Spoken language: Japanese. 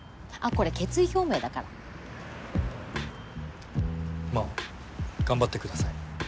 これ決意表明だからまぁ頑張ってください